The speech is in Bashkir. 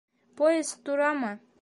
Поезд турамы?